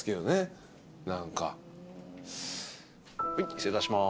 失礼いたします。